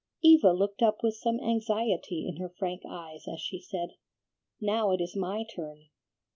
Eva looked up with some anxiety in her frank eyes as she said, "Now it is my turn.